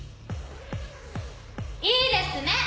いいですね